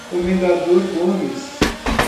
Comendador Gomes